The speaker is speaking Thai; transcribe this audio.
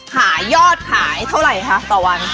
ขายยอดขายเท่าไหร่คะต่อวัน